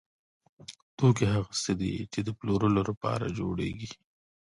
توکي هغه څه دي چې د پلورلو لپاره جوړیږي.